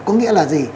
có nghĩa là gì